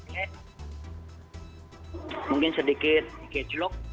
karena mungkin sedikit di catch lock